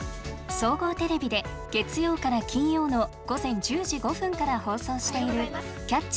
総合テレビで月曜から金曜の午前１０時５分から放送している「キャッチ！